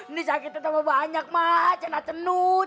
ini sakitnya tambah banyak mak cendet cendut